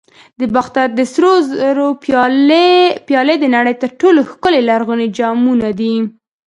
د باختر د سرو زرو پیالې د نړۍ تر ټولو ښکلي لرغوني جامونه دي